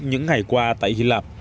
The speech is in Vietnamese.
những ngày qua tại hy lạp